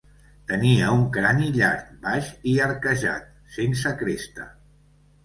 Tenia un crani llarg, baix i arquejat, sense cresta.